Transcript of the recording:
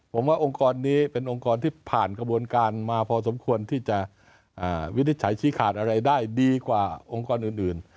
ผมว่าองค์กรนี้เป็นองค์กรที่ผ่านกระบวนการมาพอสมควรที่จะวินิจฉัยชี้ขาดอะไรได้ดีกว่าองค์กรอื่น